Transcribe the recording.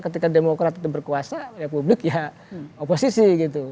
ketika demokrat itu berkuasa ya publik ya oposisi gitu